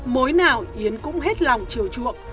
mối nào yến cũng hết lòng chiều chuộng